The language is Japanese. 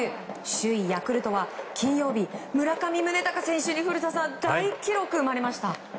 首位ヤクルトは金曜日村上宗隆選手に大記録、生まれました。